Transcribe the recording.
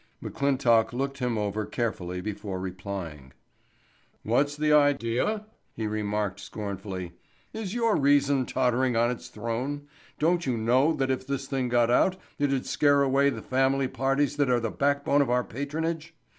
McClintock looked him over carefully before replying. "What's the idea?" he remarked scornfully. "Is your reason tottering on its throne? Don't you know that if this thing got out it'd scare away the family parties that are the backbone of our patronage?